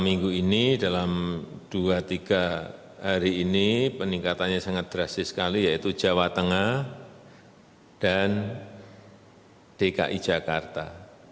minggu ini dalam dua tiga hari ini peningkatannya sangat drastis sekali yaitu jawa tengah dan dki jakarta